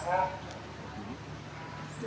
ขอบคุณครับ